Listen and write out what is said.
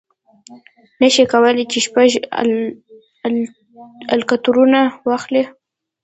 نه شي کولای چې شپږ الکترونه واخلي.